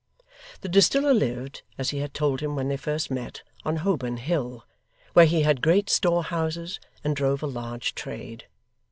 The distiller lived, as he had told him when they first met, on Holborn Hill, where he had great storehouses and drove a large trade.